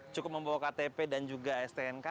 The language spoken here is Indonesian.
cukup membawa ktp dan juga stnk